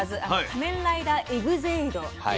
「仮面ライダーエグゼイド」